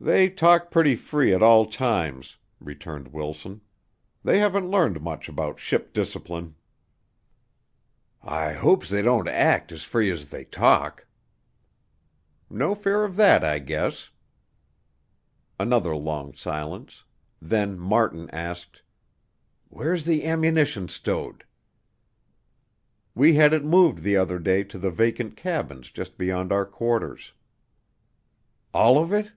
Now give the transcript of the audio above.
"They talk pretty free at all times," returned Wilson. "They haven't learned much about ship discipline." "I hopes they don't act as free as they talk." "No fear of that, I guess." Another long silence. Then Martin asked: "Where's the ammunition stowed?" "We had it moved the other day to the vacant cabins just beyond our quarters." "All of it?"